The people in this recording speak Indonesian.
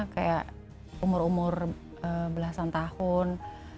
kayak umur umur belasan tahun